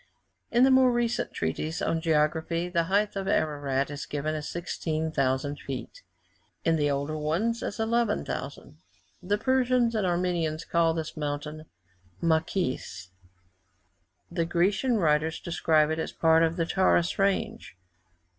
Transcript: In the more recent treatises on geography, the height of Ararat is given as 16,000 feet; in the older ones, as 11,000. The Persians and Armenians call this mountain Macis; the Grecian writers describe it as a part of the Taurus range.